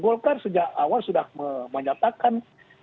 golkar sejak awal sudah menyatakan